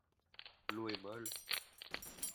L'eau est molle.